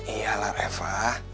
iya lah reva